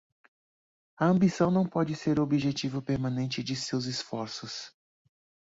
A ambição não pode ser o objetivo permanente de seus esforços.